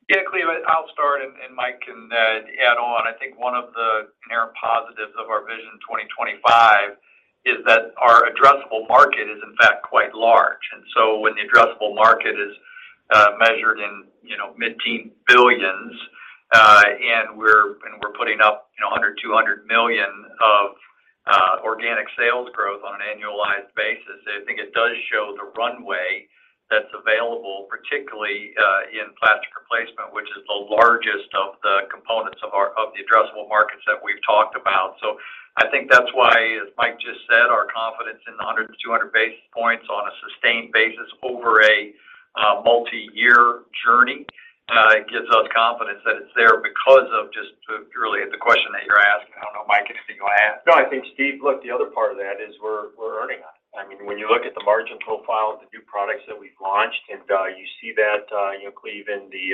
Yeah, Cleve, I'll start, and Mike can add on. I think one of the inherent positives of our Vision 2025 is that our addressable market is in fact quite large. When the addressable market is measured in mid-teen billions, and we're putting up $100 million-$200 million of organic sales growth on an annualized basis, I think it does show the runway that's available, particularly in plastic replacement, which is the largest of the components of the addressable markets that we've talked about. I think that's why, as Mike just said, our confidence in 100-200 basis points on a sustained basis over a multi-year journey gives us confidence that it's there because of really the question that you're asking. I don't know, Mike, anything you want to add? No, I think, Steve, look, the other part of that is we're earning it. I mean, when you look at the margin profile of the new products that we've launched, and you see that, you know, Cleve, in the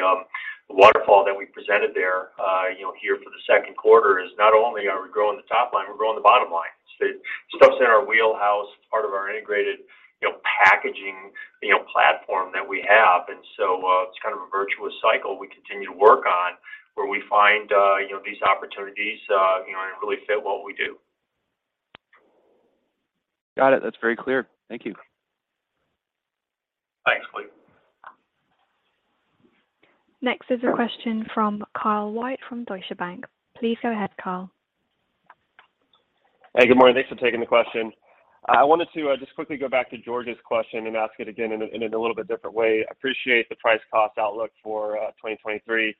waterfall that we presented there, you know, here for the second quarter, is not only are we growing the top line, we're growing the bottom line. It's the stuff's in our wheelhouse. It's part of our integrated, you know, packaging, you know, platform that we have. It's kind of a virtuous cycle we continue to work on where we find, you know, these opportunities, you know, and really fit what we do. Got it. That's very clear. Thank you. Thanks, Cleve. Next is a question from Kyle White from Deutsche Bank. Please go ahead, Kyle. Hey, good morning. Thanks for taking the question. I wanted to just quickly go back to George's question and ask it again in a little bit different way. Appreciate the price cost outlook for 2023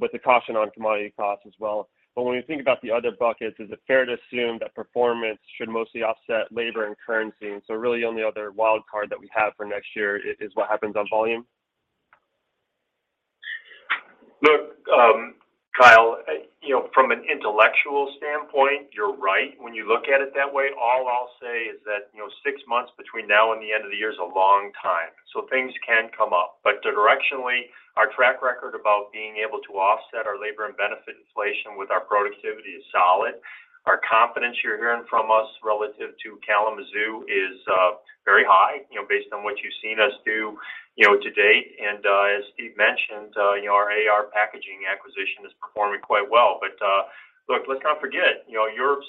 with the caution on commodity costs as well. When you think about the other buckets, is it fair to assume that performance should mostly offset labor and currency? Really only other wild card that we have for next year is what happens on volume? Look, Kyle, you know, from an intellectual standpoint, you're right when you look at it that way. All I'll say is that, you know, six months between now and the end of the year is a long time, so things can come up. Directionally, our track record about being able to offset our labor and benefit inflation with our productivity is solid. Our confidence you're hearing from us relative to Kalamazoo is very high, you know, based on what you've seen us do, you know, to date. As Steve mentioned, you know, our AR Packaging acquisition is performing quite well. Look, let's not forget, you know, Europe's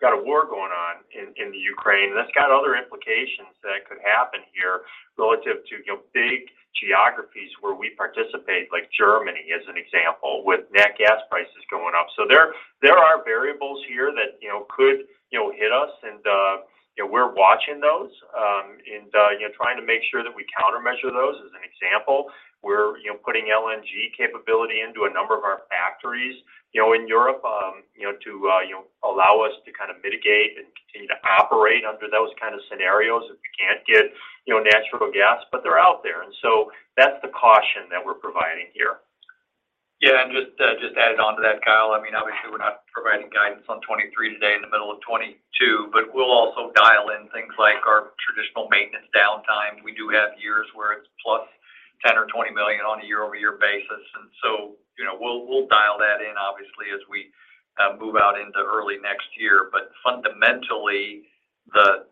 got a war going on in the Ukraine, and that's got other implications that could happen here relative to, you know, big geographies where we participate, like Germany as an example, with nat gas prices going up. There are variables here that, you know, could hit us and, you know, we're watching those, and, you know, trying to make sure that we countermeasure those as an example. We're putting LNG capability into a number of our factories, you know, in Europe, you know, to allow us to kind of mitigate and continue to operate under those kind of scenarios if you can't get natural gas, but they're out there. That's the caution that we're providing here. Yeah. Just adding on to that, Kyle, I mean, obviously we're not providing guidance on 2023 today in the middle of 2022, but we'll also dial in things like our traditional maintenance downtime. We do have years where it's +$10 million or $20 million on a year-over-year basis. You know, we'll dial that in obviously as we move out into early next year. Fundamentally, the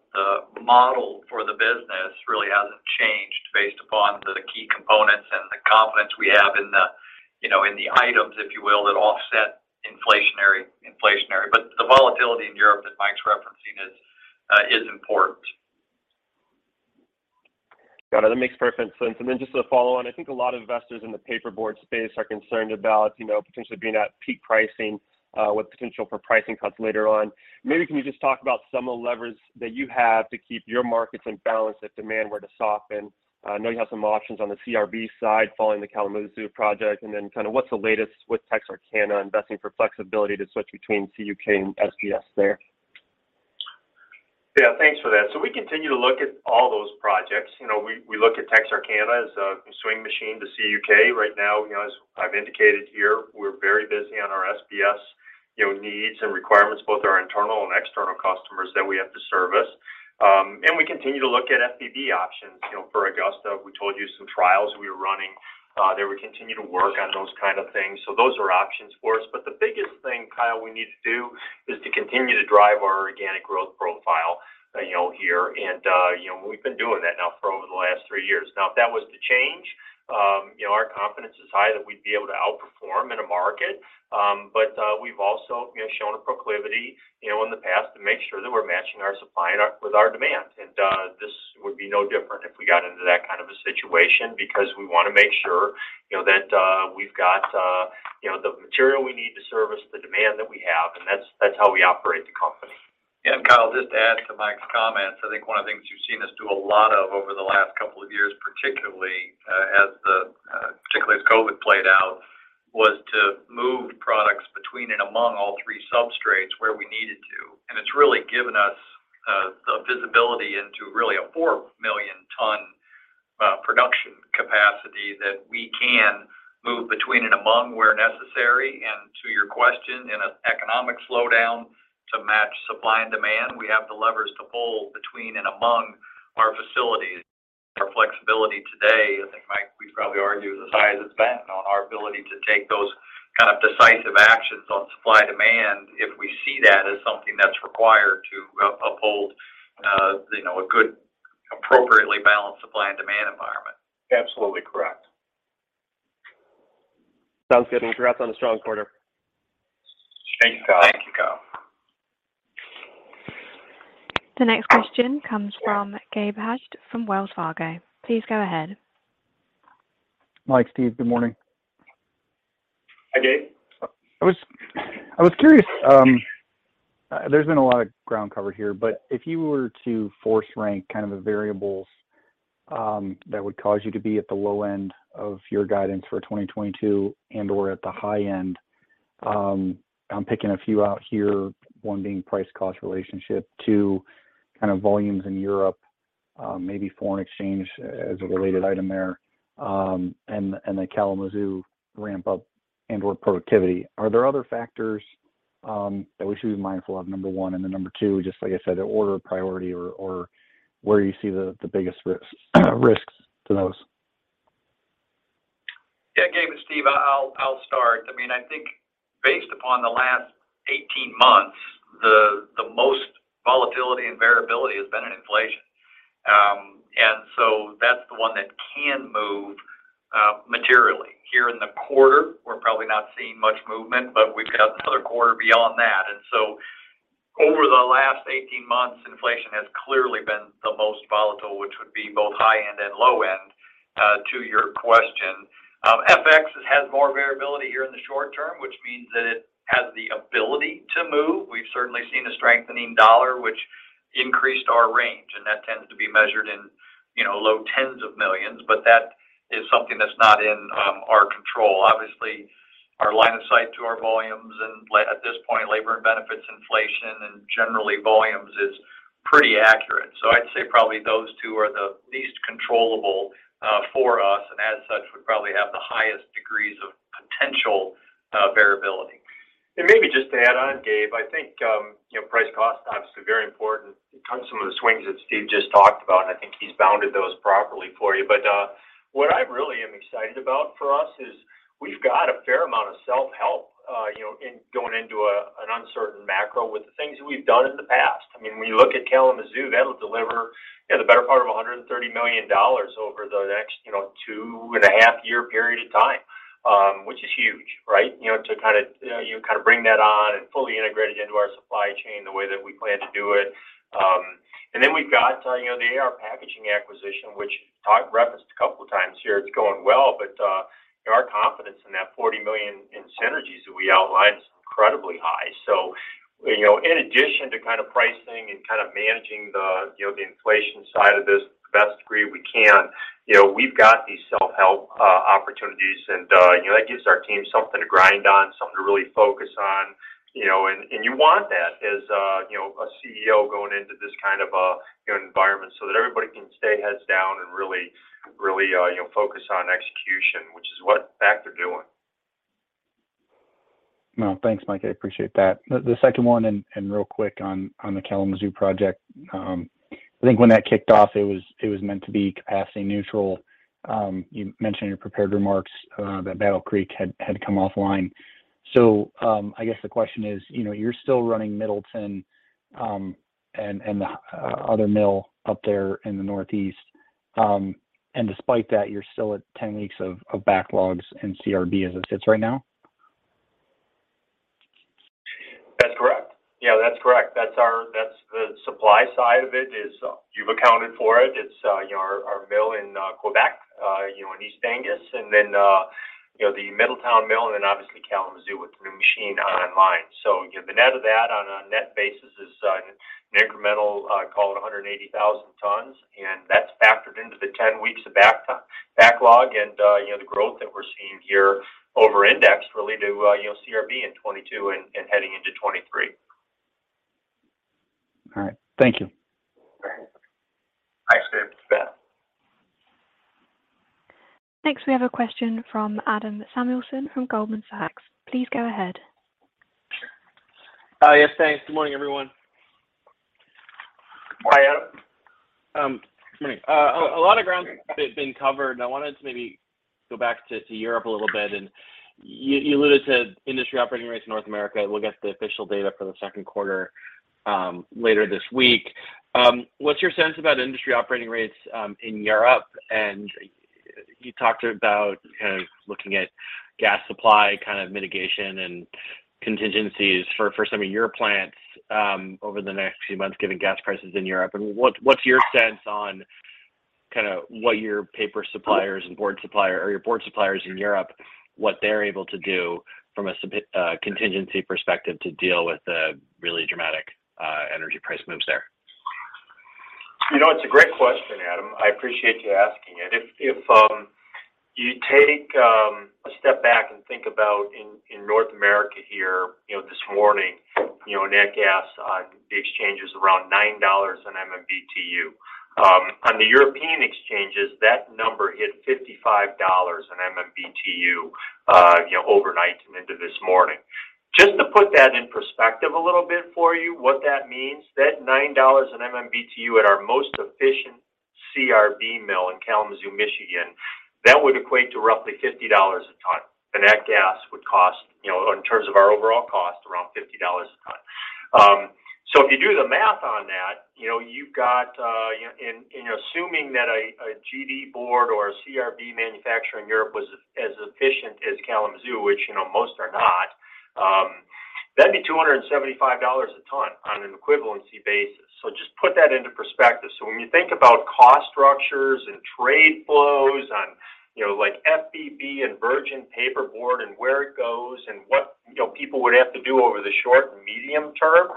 model for the business really hasn't changed based upon the key components and the confidence we have in the, you know, in the items, if you will, that offset inflationary. The volatility in Europe that Mike's referencing is important. Got it. That makes perfect sense. Just as a follow on, I think a lot of investors in the paperboard space are concerned about, you know, potentially being at peak pricing, with potential for pricing cuts later on. Maybe can you just talk about some of the levers that you have to keep your markets in balance if demand were to soften? I know you have some options on the CRB side following the Kalamazoo project. Kind of what's the latest with Texarkana investing for flexibility to switch between CUK and SBS there? Yeah, thanks for that. We continue to look at all those projects. You know, we look at Texarkana as a swing machine to CUK right now. You know, as I've indicated here, we're very busy on our SBS, you know, needs and requirements, both our internal and external customers that we have to service. We continue to look at FBB options. You know, for Augusta, we told you some trials we were running. They would continue to work on those kind of things. Those are options for us. The biggest thing, Kyle, we need to do is to continue to drive our organic growth profile, you know, here. You know, we've been doing that now for over the last three years. Now if that was to change, you know, our confidence is high that we'd be able to outperform in a market. We've also, you know, shown a proclivity, you know, in the past to make sure that we're matching our supply with our demand. This would be no different if we got into that kind of a situation because we wanna make sure, you know, that we've got, you know, the material we need to service the demand that we have. That's how we operate the company. Kyle, just to add to Mike's comments, I think one of the things you've seen us do a lot of over the last couple of years, particularly as COVID played out, was to move products between and among all three substrates where we needed to. It's really given us the visibility into really a 4 million ton production capacity that we can move between and among where necessary. To your question, in an economic slowdown to match supply and demand, we have the levers to pull between and among our facilities. Our flexibility today, I think, Mike, we'd probably argue is as high as it's been on our ability to take those kind of decisive actions on supply demand if we see that as something that's required to uphold, you know, a good appropriately balanced supply and demand environment. Absolutely correct. Sounds good. Congrats on the strong quarter. Thanks, Kyle. Thank you, Kyle. The next question comes from Gabe Hajde from Wells Fargo. Please go ahead. Mike, Steve, good morning. Hi, Gabe. I was curious, there's been a lot of ground covered here, but if you were to force rank kind of the variables that would cause you to be at the low end of your guidance for 2022 and/or at the high end, I'm picking a few out here, one being price cost relationship, two, kind of volumes in Europe, maybe foreign exchange as a related item there, and the Kalamazoo ramp up and/or productivity. Are there other factors that we should be mindful of, number one? Then number two, just like I said, the order of priority or where you see the biggest risks to those? Yeah. Gabe and Steve, I'll start. I mean, I think based upon the last 18 months, the most volatility and variability has been in inflation. That's the one that can move materially here in the quarter. Not seeing much movement, but we've got another quarter beyond that. Over the last 18 months, inflation has clearly been the most volatile, which would be both high end and low end to your question. FX has more variability here in the short term, which means that it has the ability to move. We've certainly seen a strengthening dollar, which increased our range, and that tends to be measured in, you know, low $10s of millions, but that is something that's not in our control. Obviously, our line of sight to our volumes, and at this point, labor and benefits inflation and generally volumes is pretty accurate. I'd say probably those two are the least controllable for us, and as such, would probably have the highest degrees of potential variability. Maybe just to add on, Gabe, I think you know, price cost obviously very important in terms of some of the swings that Steve just talked about, and I think he's bounded those properly for you. What I really am excited about for us is we've got a fair amount of self-help you know, in going into an uncertain macro with the things we've done in the past. I mean, when you look at Kalamazoo, that'll deliver the better part of $130 million over the next, you know, two and a half year period of time, which is huge, right? You know, to kind of bring that on and fully integrate it into our supply chain the way that we plan to do it. And then we've got, you know, the AR Packaging acquisition, which Todd referenced a couple of times here. It's going well, but our confidence in that $40 million in synergies that we outlined is incredibly high. You know, in addition to kind of pricing and kind of managing the, you know, the inflation side of this to the best degree we can, you know, we've got these self-help opportunities, and, you know, that gives our team something to grind on, something to really focus on, you know, and you want that as, you know, a CEO going into this kind of a, you know, environment so that everybody can stay heads down and really, you know, focus on execution, which is what in fact they're doing. Well, thanks, Mike. I appreciate that. The second one, and real quick on the Kalamazoo project. I think when that kicked off, it was meant to be capacity neutral. You mentioned in your prepared remarks that Battle Creek had come offline. I guess the question is, you know, you're still running Middletown, and the other mill up there in the Northeast. Despite that, you're still at 10 weeks of backlogs in CRB as it sits right now? That's correct. That's the supply side of it is you've accounted for it. It's you know our mill in Quebec you know in East Angus. Then you know the Middletown mill and then obviously Kalamazoo with the new machine online. The net of that on a net basis is an incremental call it 180,000 tons, and that's factored into the 10 weeks of backlog and you know the growth that we're seeing here over-indexed really to you know CRB in 2022 and heading into 2023. All right. Thank you. Thanks. Thanks, Gabe. Next, we have a question from Adam Samuelson from Goldman Sachs. Please go ahead. Sure. Yes, thanks. Good morning, everyone. Morning, Adam. Good morning. A lot of ground has been covered, and I wanted to maybe go back to Europe a little bit. You alluded to industry operating rates in North America. We'll get the official data for the second quarter later this week. What's your sense about industry operating rates in Europe? You talked about kind of looking at gas supply kind of mitigation and contingencies for some of your plants over the next few months, given gas prices in Europe. What's your sense on kind of what your paper suppliers and board suppliers in Europe, what they're able to do from a contingency perspective to deal with the really dramatic energy price moves there? You know, it's a great question, Adam. I appreciate you asking it. If you take a step back and think about in North America here, you know, this morning, you know, nat gas on the exchange is around $9/MMBtu. On the European exchanges, that number hit $55/MMBtu, you know, overnight and into this morning. Just to put that in perspective a little bit for you, what that means, that $9/MMBtu at our most efficient CRB mill in Kalamazoo, Michigan, that would equate to roughly $50 a ton. That gas would cost, you know, in terms of our overall cost, around $50 a ton. If you do the math on that, you know, you've got, in assuming that a GD board or a CRB manufacturer in Europe was as efficient as Kalamazoo, which, you know, most are not, that'd be $275 a ton on an equivalency basis. Just put that into perspective. When you think about cost structures and trade flows on, you know, like FBB and virgin paperboard and where it goes and what, you know, people would have to do over the short and medium term,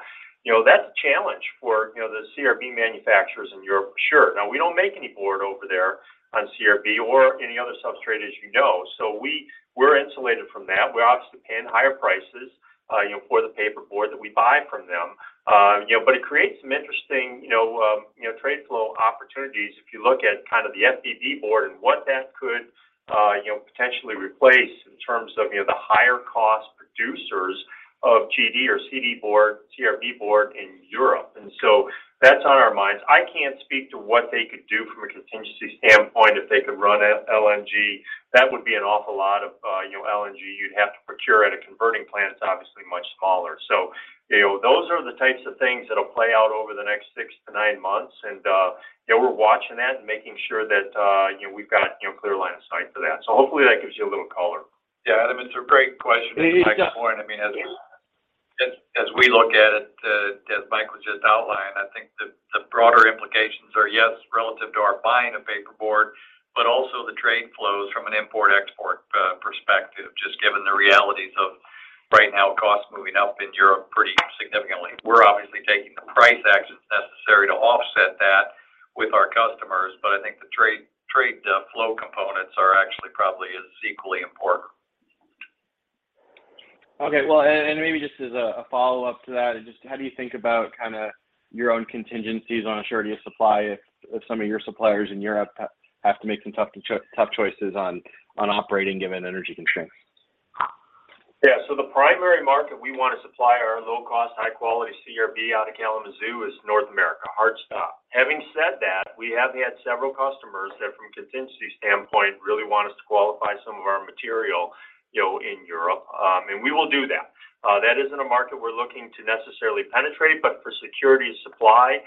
you know, that's a challenge for, you know, the CRB manufacturers in Europe for sure. Now, we don't make any board over there on CRB or any other substrate, as you know. We're insulated from that. We're obviously paying higher prices, you know, for the paperboard that we buy from them. You know, but it creates some interesting, you know, trade flow opportunities if you look at kind of the FBB board and what that could, you know, potentially replace in terms of, you know, the higher cost producers of GD board, CRB board in Europe. That's on our minds. I can't speak to what they could do from a contingency standpoint if they could run LNG. That would be an awful lot of LNG you'd have to procure at a converting plant. It's obviously much smaller. You know, those are the types of things that'll play out over the next six to nine months. You know, we're watching that and making sure that, you know, we've got, you know, clear line of sight for that. Hopefully that gives you a little color. Yeah. Adam, it's a great question. Yeah, yeah. I mean, as we look at it, as Mike just outlined, I think the broader implications are yes, relative to our buying paperboard, but also the trade flows from an import-export perspective, just given the realities of right now costs moving up in Europe pretty significantly. We're obviously taking the price actions necessary to offset that with our customers, but I think the trade flow components are actually probably as equally important. Okay. Well, maybe just as a follow-up to that. Just how do you think about kinda your own contingencies on a surety of supply if some of your suppliers in Europe have to make some tough choices on operating given energy constraints? Yeah. The primary market we want to supply our low cost, high quality CRB out of Kalamazoo is North America, hard stop. Having said that, we have had several customers that from contingency standpoint really want us to qualify some of our material, you know, in Europe. We will do that. That isn't a market we're looking to necessarily penetrate. For security of supply,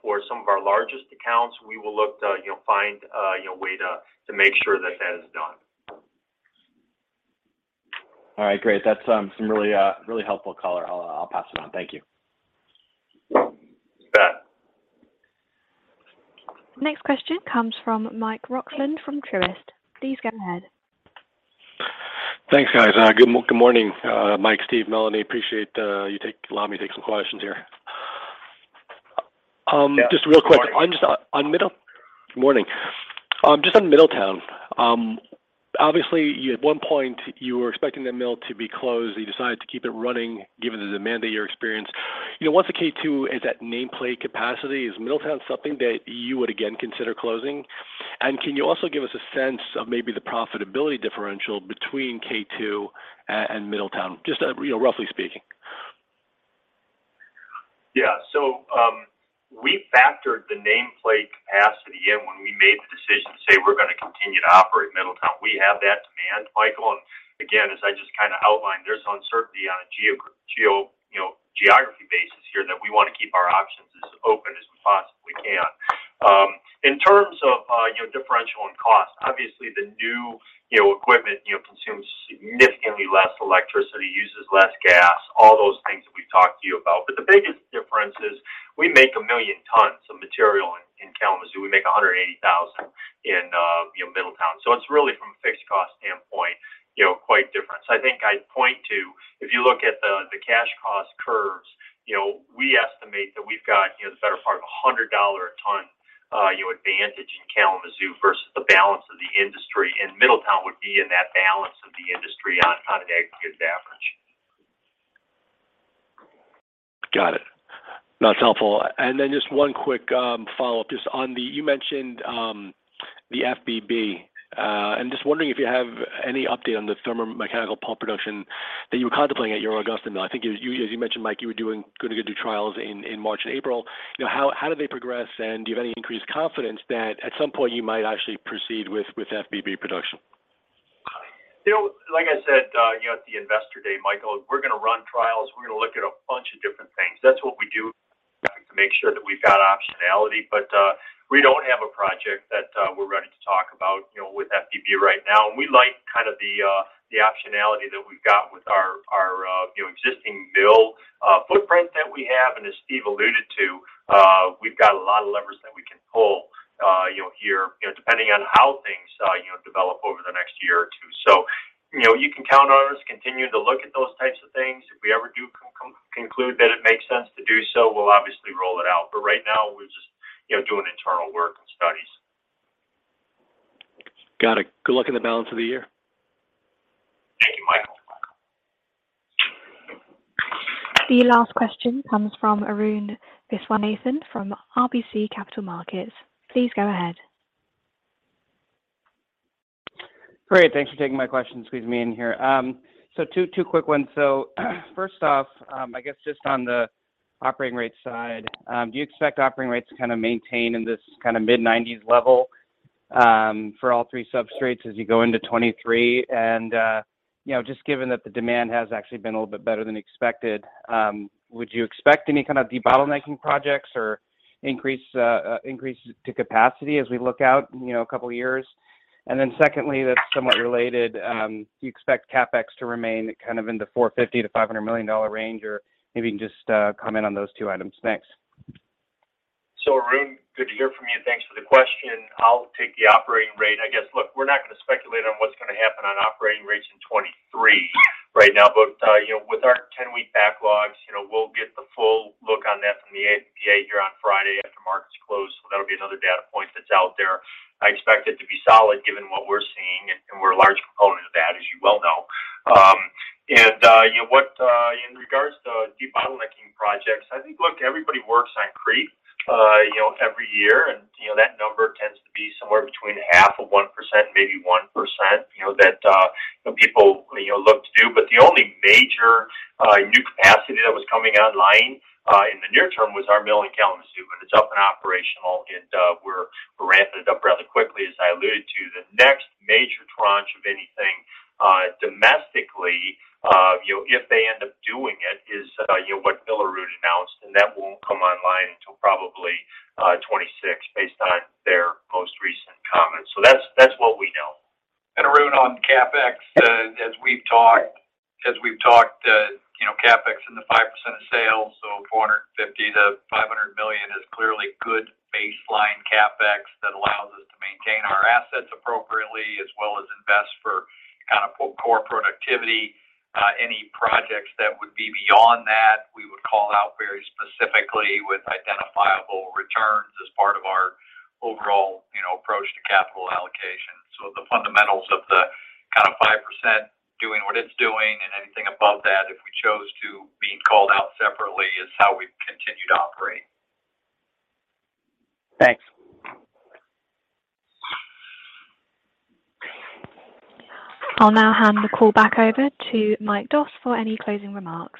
for some of our largest accounts, we will look to, you know, find a, you know, way to make sure that that is done. All right. Great. That's some really helpful color. I'll pass it on. Thank you. You bet. Next question comes from Mike Roxland from Truist. Please go ahead. Thanks, guys. Good morning, Mike, Steve, Melanie. Appreciate allowing me to take some questions here. Yeah. Good morning. Good morning. Just on Middletown, obviously, you at one point were expecting that mill to be closed, and you decided to keep it running given the demand that you're experiencing. You know, once the K2 is at nameplate capacity, is Middletown something that you would again consider closing? And can you also give us a sense of maybe the profitability differential between K2 and Middletown? Just, you know, roughly speaking. Yeah. We factored the nameplate capacity in when we made the decision to say we're gonna continue to operate Middletown. We have that demand, Michael. Again, as I just kinda outlined, there's uncertainty on a geographic basis here that we wanna keep our options as open as we possibly can. In terms of differential and cost, obviously the new, you know, equipment, you know, consumes significantly less electricity, uses less gas, all those things that we've talked to you about. The biggest difference is we make 1 million tons of material in Kalamazoo. We make 180,000 in Middletown. It's really from a fixed cost standpoint quite different. I think I'd point to if you look at the cash cost curves, you know, we estimate that we've got, you know, the better part of $100 a ton advantage in Kalamazoo versus the balance of the industry. Middletown would be in that balance of the industry on an aggregate average. Got it. No, that's helpful. Just one quick follow-up. Just on the FBB you mentioned. I'm just wondering if you have any update on the thermomechanical pulp production that you were contemplating at your Augusta mill. I think it was you, as you mentioned, Mike, you were gonna do trials in March and April. You know, how did they progress? Do you have any increased confidence that at some point you might actually proceed with FBB production? You know, like I said, at the Investor Day, Michael, we're gonna run trials. We're gonna look at a bunch of different things. That's what we do to make sure that we've got optionality. We don't have a project that we're ready to talk about, you know, with FBB right now. We like kind of the optionality that we've got with our existing mill footprint that we have. As Steve alluded to, we've got a lot of levers that we can pull, you know, here, depending on how things develop over the next year or two. You know, you can count on us to continue to look at those types of things. If we ever do conclude that it makes sense to do so, we'll obviously roll it out. Right now we're just, you know, doing internal work and studies. Got it. Good luck in the balance of the year. Thank you, Michael. The last question comes from Arun Viswanathan from RBC Capital Markets. Please go ahead. Great. Thanks for taking my question. Squeeze me in here. Two quick ones. First off, I guess just on the operating rate side, do you expect operating rates to kind of maintain in this kind of mid-90%s level for all three substrates as you go into 2023? You know, just given that the demand has actually been a little bit better than expected, would you expect any kind of debottlenecking projects or increase to capacity as we look out a couple years? Then secondly, that's somewhat related, do you expect CapEx to remain kind of in the $450 million-$500 million range? Or maybe you can just comment on those two items. Thanks. Arun, good to hear from you, and thanks for the question. I'll take the operating rate. I guess, look, we're not gonna speculate on what's gonna happen on operating rates in 2023 right now. You know, with our 10-week backlogs, you know, we'll get the full look on that from the AF&PA here on Friday after markets close. That'll be another data point that's out there. I expect it to be solid given what we're seeing, and we're a large component of that, as you well know. You know what, in regards to debottlenecking projects, I think, look, everybody works on creep, you know, every year. You know, that number tends to be somewhere between half of one percent, maybe one percent, you know, that people, you know, look to do. The only major new capacity that was coming online in the near term was our mill in Kalamazoo, and it's up and operational, and we're ramping it up rather quickly, as I alluded to. The next major tranche of anything domestically, you know, if they end up doing it is, you know, what Billerud brothers announced, and that won't come online until probably 2026 based on their most recent comments. That's what we know. Arun, on CapEx, as we've talked, you know, CapEx in the 5% of sales, so $450 million-$500 million is clearly good baseline CapEx that allows us to maintain our assets appropriately as well as invest for kind of core productivity. Any projects that would be beyond that, we would call out very specifically with identifiable returns as part of our overall, you know, approach to capital allocation. The fundamentals of the kind of 5% doing what it's doing and anything above that, if we chose to, being called out separately is how we've continued to operate. Thanks. I'll now hand the call back over to Mike Doss for any closing remarks.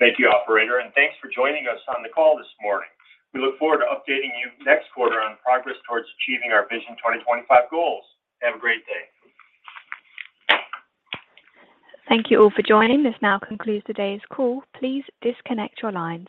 Thank you, operator, and thanks for joining us on the call this morning. We look forward to updating you next quarter on progress towards achieving our Vision 2025 goals. Have a great day. Thank you all for joining. This now concludes today's call. Please disconnect your lines.